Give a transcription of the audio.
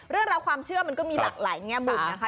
เรื่องราวความเชื่อมันก็มีหลากหลายแง่มุมนะคะ